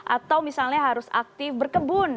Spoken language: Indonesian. atau misalnya harus aktif berkebun